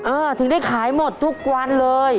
ถึงได้ขายหมดทุกวันเลย